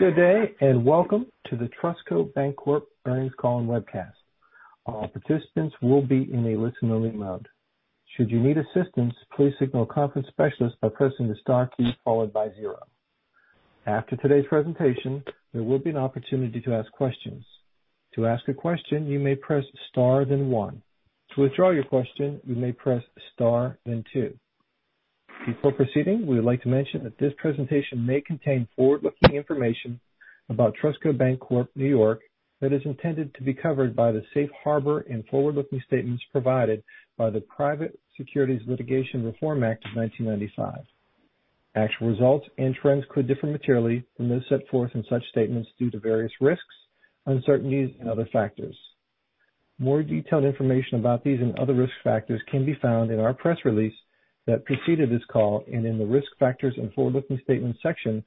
Good day, and welcome to the Trustco Bank Corp Earnings Call and Webcast. All participants will be in a listen-only mode. After today's presentation, there will be an opportunity to ask questions. To ask a question, you may press star then one. To withdraw your question, you may press star then two. Before proceeding, we would like to mention that this presentation may contain forward-looking information about Trustco Bank Corp, New York, that is intended to be covered by the safe harbor and forward-looking statements provided by the Private Securities Litigation Reform Act of 1995. Actual results and trends could differ materially from those set forth in such statements due to various risks, uncertainties and other factors. More detailed information about these and other risk factors can be found in our press release that preceded this call and in the Risk Factors and Forward-Looking Statements section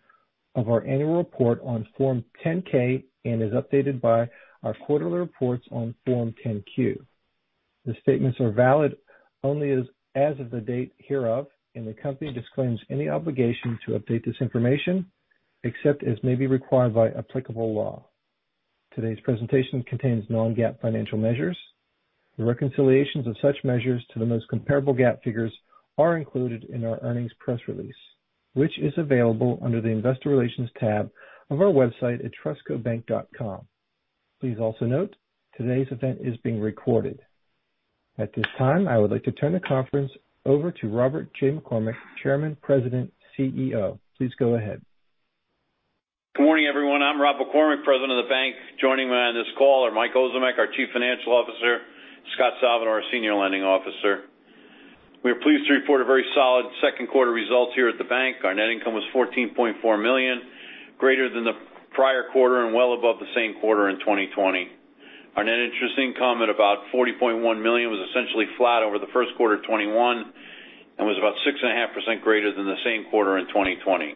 of our annual report on Form 10-K, and as updated by our quarterly reports on Form 10-Q. The statements are valid only as of the date hereof, and the company disclaims any obligation to update this information, except as may be required by applicable law. Today's presentation contains non-GAAP financial measures. The reconciliations of such measures to the most comparable GAAP figures are included in our earnings press release, which is available under the Investor Relations tab of our website at trustcobank.com. Please also note today's event is being recorded. At this time, I would like to turn the conference over to Robert J. McCormick, Chairman, President, CEO. Please go ahead. Good morning, everyone. I'm Rob McCormick, President of the Bank. Joining me on this call are Michael Ozimek, our Chief Financial Officer, Scot Salvador, our Senior Lending Officer. We are pleased to report a very solid second quarter results here at the bank. Our net income was $14.4 million, greater than the prior quarter and well above the same quarter in 2020. Our net interest income at about $40.1 million was essentially flat over the first quarter of 2021 and was about 6.5% greater than the same quarter in 2020.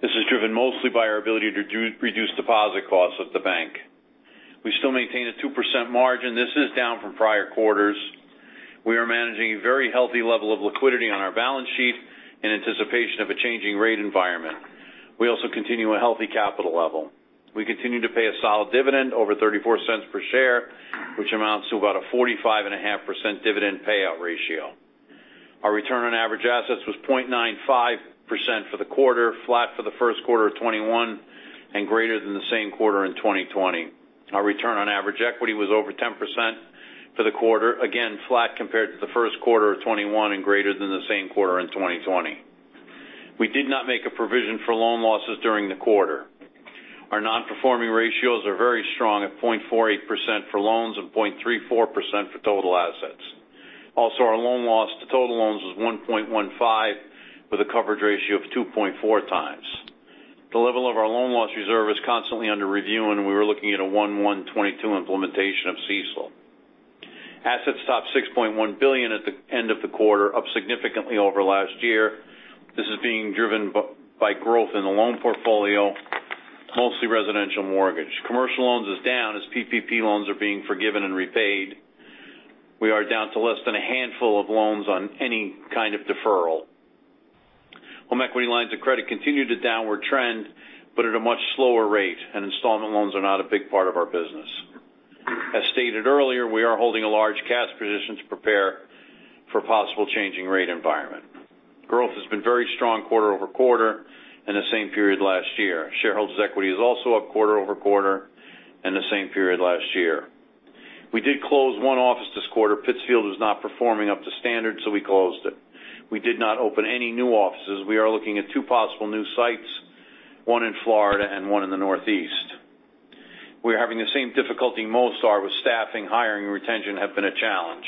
This is driven mostly by our ability to reduce deposit costs at the bank. We still maintain a 2% margin. This is down from prior quarters. We are managing a very healthy level of liquidity on our balance sheet in anticipation of a changing rate environment. We also continue a healthy capital level. We continue to pay a solid dividend, over $0.34 per share, which amounts to about a 45.5% dividend payout ratio. Our return on average assets was 0.95% for the quarter, flat for the first quarter of 2021, and greater than the same quarter in 2020. Our return on average equity was over 10% for the quarter, again, flat compared to the first quarter of 2021 and greater than the same quarter in 2020. We did not make a provision for loan losses during the quarter. Our non-performing ratios are very strong at 0.48% for loans and 0.34% for total assets. Also, our loan loss to total loans was 1.15% with a coverage ratio of 2.4x. The level of our loan loss reserve is constantly under review, and we were looking at a 1/1/2022 implementation of CECL. Assets topped $6.1 billion at the end of the quarter, up significantly over last year. This is being driven by growth in the loan portfolio, mostly residential mortgage. Commercial loans is down as PPP loans are being forgiven and repaid. We are down to less than a handful of loans on any kind of deferral. Home equity lines of credit continue to downward trend, but at a much slower rate, and installment loans are not a big part of our business. As stated earlier, we are holding a large cash position to prepare for possible changing rate environment. Growth has been very strong quarter-over-quarter and the same period last year. Shareholders' equity is also up quarter-over-quarter and the same period last year. We did close one office this quarter. Pittsfield was not performing up to standard, so we closed it. We did not open any new offices. We are looking at two possible new sites, one in Florida and one in the Northeast. We are having the same difficulty most are with staffing, hiring, and retention have been a challenge.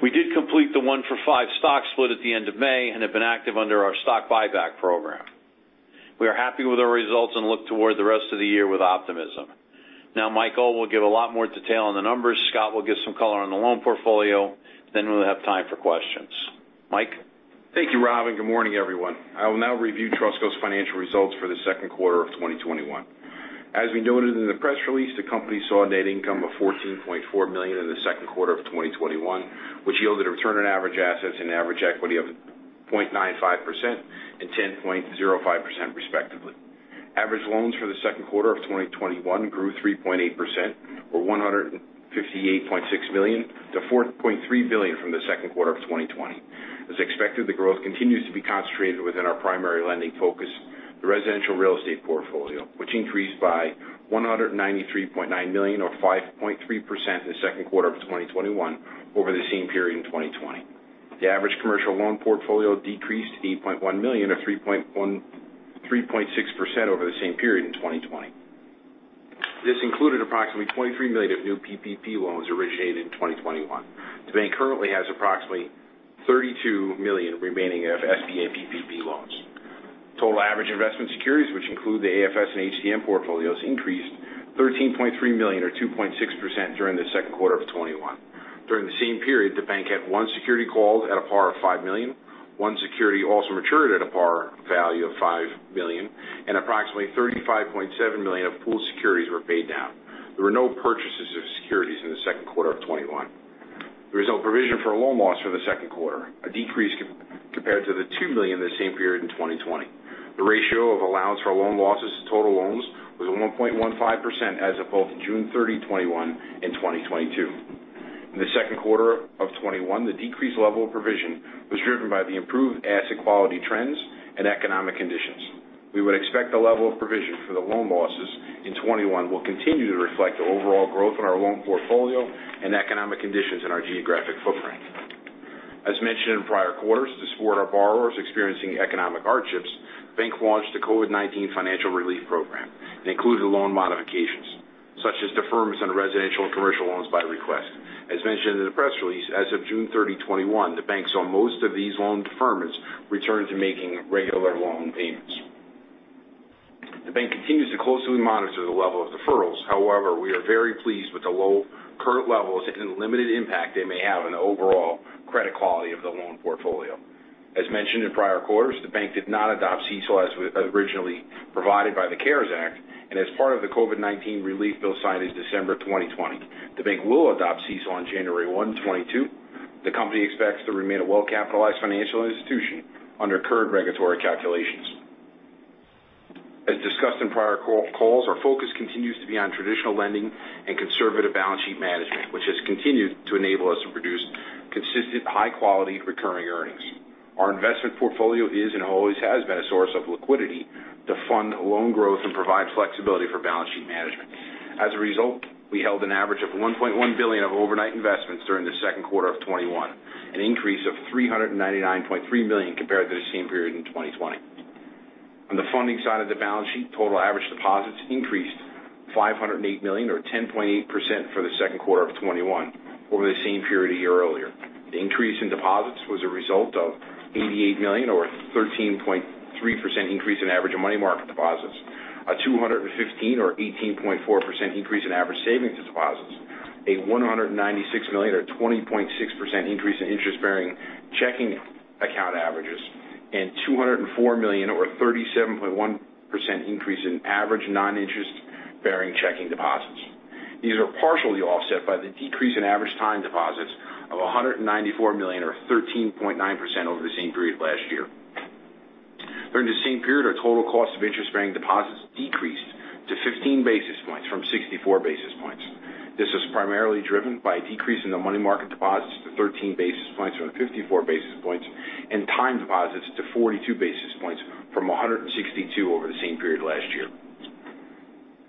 We did complete the one for five stock split at the end of May and have been active under our stock buyback program. We are happy with our results and look toward the rest of the year with optimism. Michael will give a lot more detail on the numbers. Scot will give some color on the loan portfolio. We'll have time for questions. Mike? Thank you, Rob, and good morning, everyone. I will now review Trustco's financial results for the second quarter of 2021. As we noted in the press release, the company saw a net income of $14.4 million in the second quarter of 2021, which yielded a return on average assets and average equity of 0.95% and 10.05%, respectively. Average loans for the second quarter of 2021 grew 3.8%, or $158.6 million-$4.3 billion from the second quarter of 2020. As expected, the growth continues to be concentrated within our primary lending focus, the residential real estate portfolio, which increased by $193.9 million or 5.3% in the second quarter of 2021 over the same period in 2020. The average commercial loan portfolio decreased $8.1 million or 3.6% over the same period in 2020. This included approximately $23 million of new PPP loans originated in 2021. The bank currently has approximately $32 million remaining of SBA PPP loans. Total average investment securities, which include the AFS and HTM portfolios, increased $13.3 million or 2.6% during the second quarter of 2021. During the same period, the bank had one security called at a par of $5 million. one security also matured at a par value of $5 million, and approximately $35.7 million of pooled securities were paid down. There were no purchases of securities in the second quarter of 2021. The result provision for a loan loss for the second quarter, a decrease compared to the $2 million in the same period in 2020. The ratio of allowance for loan loss as total loans was 1.15% as of both June 30, 2021 and 2022. In the second quarter of 2021, the decreased level of provision was driven by the improved asset quality trends and economic conditions. We would expect the level of provision for the loan losses in 2021 will continue to reflect the overall growth in our loan portfolio and economic conditions in our geographic footprint. As mentioned in prior quarters, to support our borrowers experiencing economic hardships, the bank launched the COVID-19 Financial Relief Program. It included loan modifications, such as deferments on residential and commercial loans by request. As mentioned in the press release, as of June 30, 2021, the bank on most of these loan deferments returned to making regular loan payments. The bank continues to closely monitor the level of deferrals. However, we are very pleased with the low current levels and the limited impact they may have on the overall credit quality of the loan portfolio. As mentioned in prior quarters, the bank did not adopt CECL as originally provided by the CARES Act, and as part of the COVID-19 relief bill signed in December 2020. The bank will adopt CECL on January 1, 2022. The company expects to remain a well-capitalized financial institution under current regulatory calculations. As discussed in prior calls, our focus continues to be on traditional lending and conservative balance sheet management, which has continued to enable us to produce consistent, high-quality recurring earnings. Our investment portfolio is and always has been a source of liquidity to fund loan growth and provide flexibility for balance sheet management. As a result, we held an average of $1.1 billion of overnight investments during the second quarter of 2021, an increase of $399.3 million compared to the same period in 2020. On the funding side of the balance sheet, total average deposits increased $508 million or 10.8% for the second quarter of 2021 over the same period a year earlier. The increase in deposits was a result of $88 million or 13.3% increase in average money market deposits, a $215 million or 18.4% increase in average savings deposits, a $196 million or 20.6% increase in interest-bearing checking account averages, and $204 million or 37.1% increase in average non-interest-bearing checking deposits. These are partially offset by the decrease in average time deposits of $194 million or 13.9% over the same period last year. During the same period, our total cost of interest-bearing deposits decreased to 15 basis points from 64 basis points. This was primarily driven by a decrease in the money market deposits to 13 basis points from 54 basis points, and time deposits to 42 basis points from 162 over the same period last year.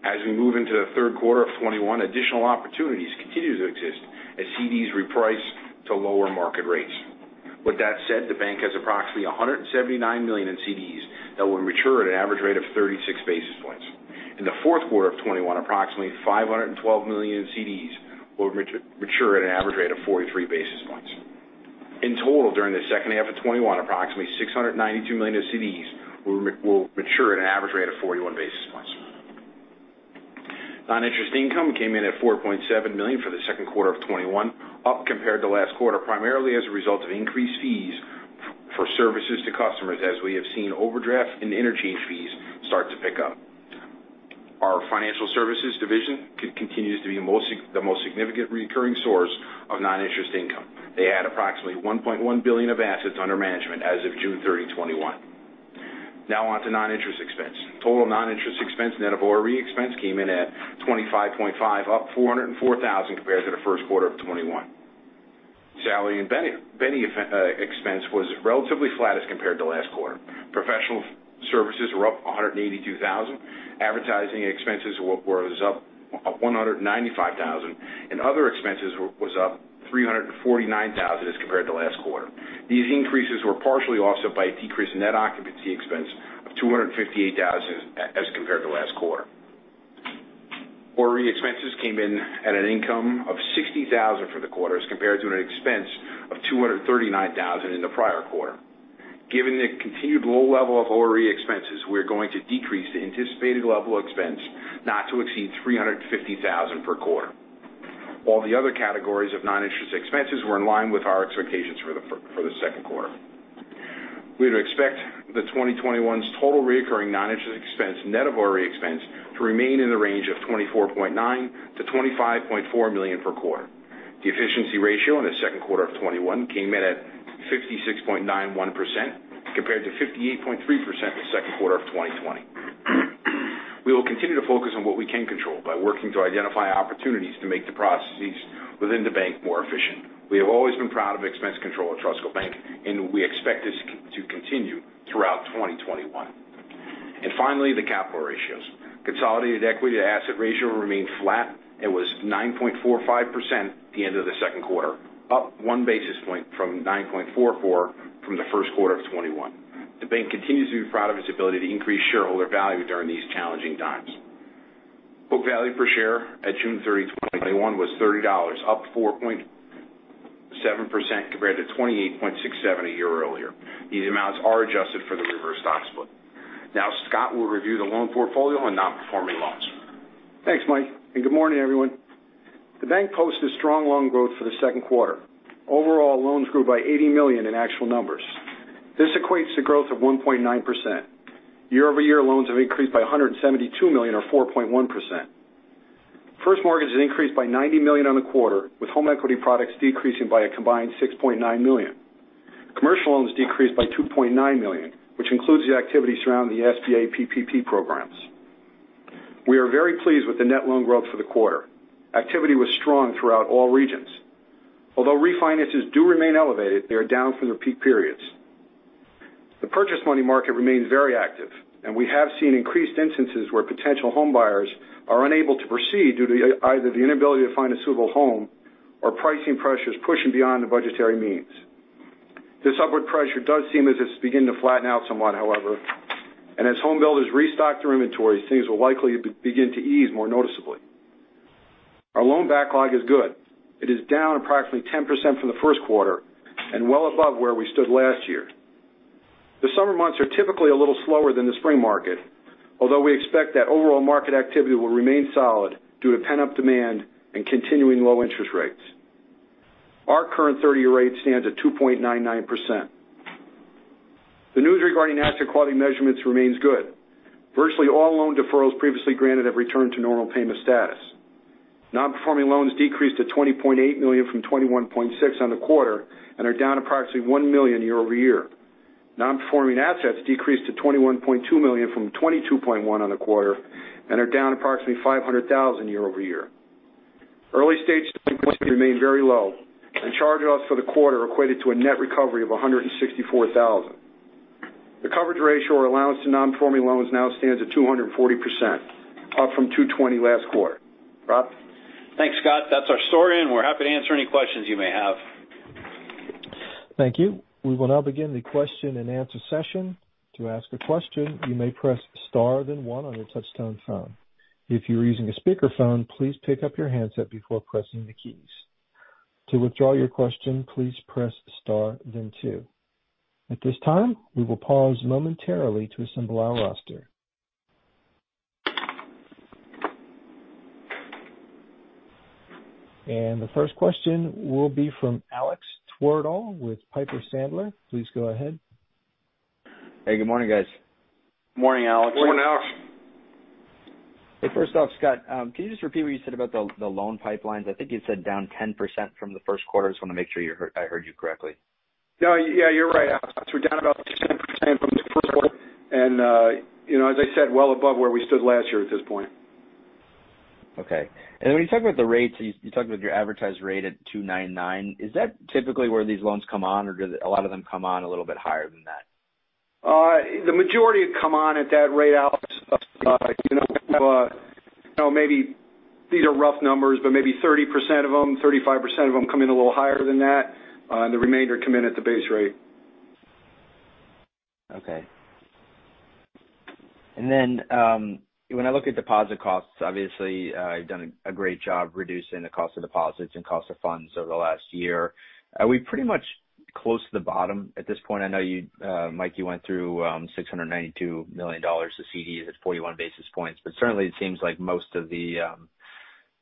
As we move into the third quarter of 2021, additional opportunities continue to exist as CDs reprice to lower market rates. With that said, the bank has approximately $179 million in CDs that will mature at an average rate of 36 basis points. In the fourth quarter of 2021, approximately $512 million in CDs will mature at an average rate of 43 basis points. In total, during the second half of 2021, approximately $692 million of CDs will mature at an average rate of 41 basis points. Non-interest income came in at $4.7 million for the second quarter of 2021, up compared to last quarter, primarily as a result of increased fees for services to customers as we have seen overdraft and interchange fees start to pick up. Our financial services division continues to be the most significant recurring source of non-interest income. They had approximately $1.1 billion of assets under management as of June 30, 2021. Now on to non-interest expense. Total non-interest expense net of ORE expense came in at $25.5 million, up $404,000 compared to the first quarter of 2021. Salary and benefit expense was relatively flat as compared to last quarter. Professional services were up $182,000. Advertising expenses was up $195,000. Other expenses was up $349,000 as compared to last quarter. These increases were partially offset by a decrease in net occupancy expense of $258,000 as compared to last quarter. ORE expenses came in at an income of $60,000 for the quarter as compared to an expense of $239,000 in the prior quarter. Given the continued low level of ORE expenses, we're going to decrease the anticipated level expense not to exceed $350,000 per quarter. All the other categories of non-interest expenses were in line with our expectations for the second quarter. We'd expect the 2021's total recurring non-interest expense net of ORE expense to remain in the range of $24.9 million-$25.4 million per quarter. The efficiency ratio in the second quarter of 2021 came in at 56.91% compared to 58.3% the second quarter of 2020. We will continue to focus on what we can control by working to identify opportunities to make the processes within the bank more efficient. We have always been proud of expense control at Trustco Bank, we expect this to continue throughout 2021. Finally, the capital ratios. Consolidated equity to asset ratio remained flat. It was 9.45% at the end of the second quarter, up one basis point from 9.44% from the first quarter of 2021. The bank continues to be proud of its ability to increase shareholder value during these challenging times. Book value per share at June 30, 2021 was $30, up 4.7% compared to $28.67 a year earlier. These amounts are adjusted for the reverse stock split. Now Scot will review the loan portfolio and non-performing loans. Thanks, Mike. Good morning, everyone. The bank posted strong loan growth for the second quarter. Overall, loans grew by $80 million in actual numbers. This equates to growth of 1.9%. Year-over-year loans have increased by $172 million or 4.1%. First mortgage has increased by $90 million on the quarter, with home equity products decreasing by a combined $6.9 million. Commercial loans decreased by $2.9 million, which includes the activities around the SBA PPP programs. We are very pleased with the net loan growth for the quarter. Activity was strong throughout all regions. Refinances do remain elevated, they are down from their peak periods. The purchase money market remains very active. We have seen increased instances where potential home buyers are unable to proceed due to either the inability to find a suitable home or pricing pressures pushing beyond their budgetary means. This upward pressure does seem as it's beginning to flatten out somewhat, however, and as home builders restock their inventory, things will likely begin to ease more noticeably. Our loan backlog is good. It is down approximately 10% from the first quarter and well above where we stood last year. The summer months are typically a little slower than the spring market, although we expect that overall market activity will remain solid due to pent-up demand and continuing low interest rates. Our current 30-year rate stands at 2.99%. The news regarding asset quality measurements remains good. Virtually all loan deferrals previously granted have returned to normal payment status. Non-performing loans decreased to $20.8 million from $21.6 million on the quarter and are down approximately $1 million year-over-year. Non-performing assets decreased to $21.2 million from $22.1 million on the quarter and are down approximately $500,000 year-over-year. Early stage remain very low. Charge-offs for the quarter equated to a net recovery of $164,000. The coverage ratio or allowance to non-performing loans now stands at 240%, up from 220% last quarter. Rob? Thanks, Scot. That's our story. We're happy to answer any questions you may have. Thank you. We will now begin the question and answer session. To question you may press star and one at this time. If you're using speakerphone ,please pick up your handset before pressing the key. To withdraw your question, please press star and two At this time we will pause momentarily to assemble our roster. The first question will be from Alex Twerdahl with Piper Sandler. Please go ahead. Hey, good morning, guys. Morning, Alex. Morning, Alex. Hey, first off, Scot, can you just repeat what you said about the loan pipelines? I think you said down 10% from the first quarter. Just want to make sure I heard you correctly. Yeah. You're right, Alex. We're down about 10% from the first quarter and, as I said, well above where we stood last year at this point. Okay. When you talk about the rates, you talked about your advertised rate at 299. Is that typically where these loans come on, or do a lot of them come on a little bit higher than that? The majority come on at that rate, Alex. These are rough numbers, but maybe 30% of them, 35% of them come in a little higher than that. The remainder come in at the base rate. Okay. When I look at deposit costs, obviously, you've done a great job reducing the cost of deposits and cost of funds over the last year. Are we pretty much close to the bottom at this point? I know, Mike, you went through $692 million of CDs at 41 basis points. Certainly it seems like most of the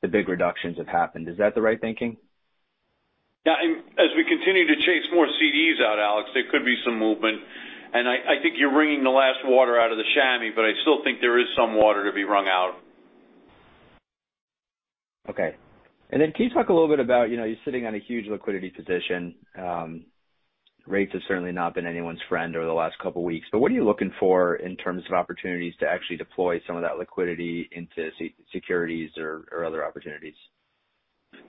big reductions have happened. Is that the right thinking? Yeah. As we continue to chase more CDs out, Alexander, there could be some movement. I think you're wringing the last water out of the chamois, but I still think there is some water to be wrung out. Okay. Can you talk a little bit about, you're sitting on a huge liquidity position. Rates have certainly not been anyone's friend over the last couple of weeks, but what are you looking for in terms of opportunities to actually deploy some of that liquidity into securities or other opportunities?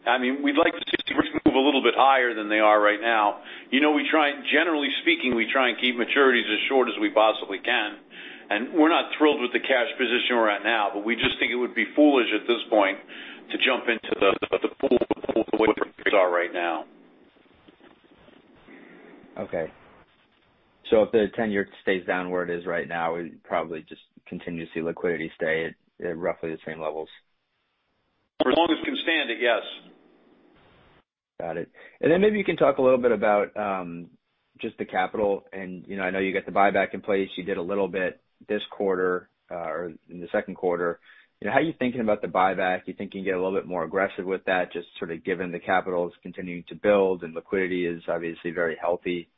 We'd like to move a little bit higher than they are right now. Generally speaking, we try and keep maturities as short as we possibly can. We're not thrilled with the cash position we're at now, but we just think it would be foolish at this point to jump into the pool right now. Okay. If the tenure stays down where it is right now, we probably just continue to see liquidity stay at roughly the same levels. For as long as we can stand it, yes. Got it. maybe you can talk a little bit about just the capital, and I know you got the buyback in place. You did a little bit this quarter, or in the second quarter. How are you thinking about the buyback? You think you can get a little bit more aggressive with that, just sort of given the capital's continuing to build and liquidity is obviously very healthy.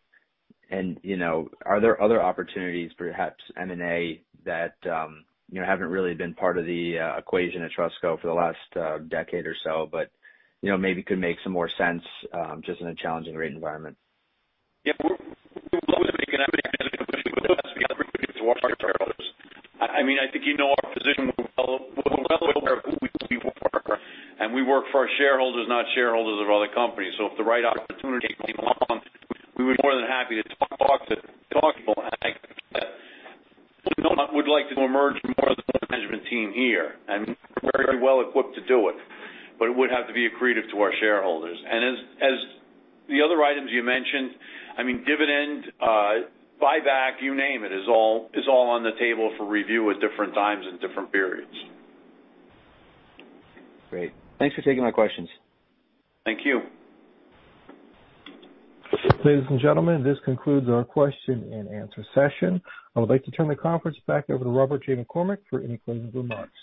are there other opportunities, perhaps M&A, that haven't really been part of the equation at Trustco for the last decade or so, but maybe could make some more sense just in a challenging rate environment? Yeah. We're I think you know our position and we work for our shareholders, not shareholders of other companies. If the right opportunity came along, we would be more than happy to talk to people. I would like to emerge more of the management team here, and we're very well equipped to do it. It would have to be accretive to our shareholders. As the other items you mentioned, dividend, buyback, you name it, is all on the table for review at different times and different periods. Great. Thanks for taking my questions. Thank you. Ladies and gentlemen, this concludes our question and answer session. I would like to turn the conference back over to Robert J. McCormick for any closing remarks.